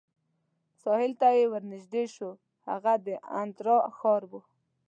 ساحل ته چې ورنژدې شوو، هغه د انترا ښار وو.